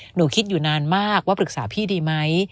หนูคิดอยู่นานมากว่าปรึกษาพี่ดีไหม